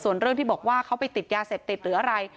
ส่วนเรื่องที่บอกว่าเขาไปติดยาเสพติดหรืออะไร